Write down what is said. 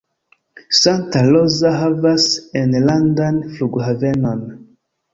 Santa Rosa havas enlandan flughavenon.